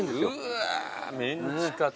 うわメンチカツ。